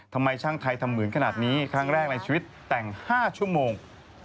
ทำไมช่างไทยทำเหมือนขนาดนี้ครั้งแรกในชีวิตแต่ง๕ชั่วโมง